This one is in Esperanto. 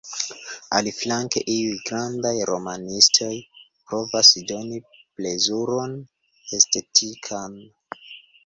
Aliflanke, iuj grandaj romanistoj provas doni plezuron estetikan.